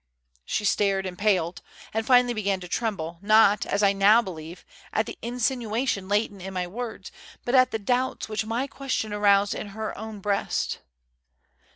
She stared, paled, and finally began to tremble, not, as I now believe, at the insinuation latent in my words, but at the doubts which my question aroused in her own breast.